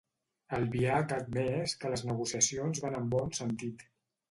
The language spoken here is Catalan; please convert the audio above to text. Albiach ha admès que les negociacions van en el bon sentit.